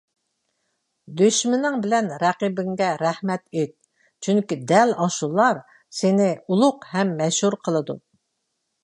دۈشمىنىڭ بىلەن رەقىبىڭگە رەھمەت ئېيت. چۈنكى دەل ئاشۇلا سېنى ئۇلۇغ ھەم مەشھۇر قىلىدۇ.